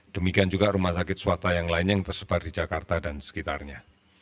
demikian juga rumah sakit swasta yang lainnya yang tersebar di jakarta dan sekitarnya